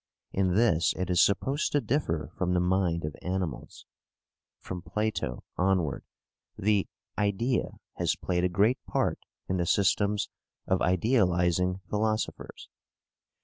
In this it is supposed to differ from the mind of animals. From Plato onward the "idea" has played a great part in the systems of idealizing philosophers.